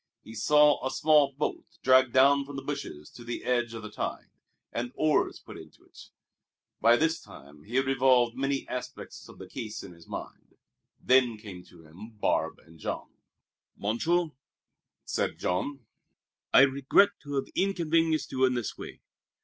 He saw a small boat dragged down from the bushes to the edge of the tide, and oars put into it. By this time he had revolved many aspects of the case in his mind. Then came to him Barbe and Jean. "Monsieur," said Jean, "I regret to have inconvenienced you in this way.